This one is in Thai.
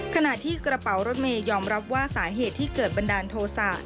ขณะที่กระเป๋ารถเมย์ยอมรับว่าสาเหตุที่เกิดบันดาลโทษะ